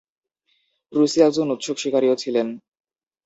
প্রুসি একজন উৎসুক শিকারিও ছিলেন।